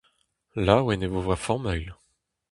Laouen e vo va familh.